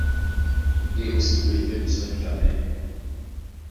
Ndé o si ɓolé pɛ́ bisɔ́ níkamɛ́nɛ́.